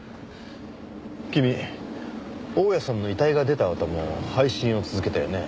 君大屋さんの遺体が出たあとも配信を続けたよね。